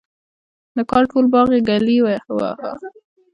د کال ټول باغ یې ګلي وواهه.